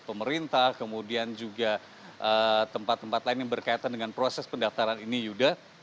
pemerintah kemudian juga tempat tempat lain yang berkaitan dengan proses pendaftaran ini yuda